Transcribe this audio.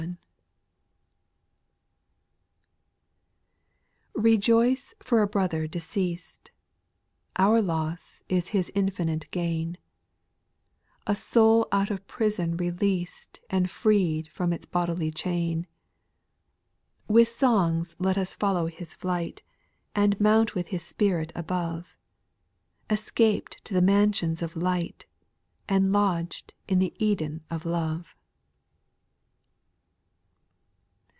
p EJOICE for a brother deceased : IX Our loss is his infinite gain ; A soul out of prison released And freed from its bodily chain : With songs let us follow his flight, And mount with his spirit above, Escaped to the mansions of light, And lodg'd in the Eden of love.